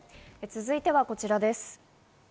続いてはこちらです。